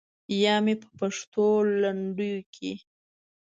یا مې په پښتو لنډیو کې.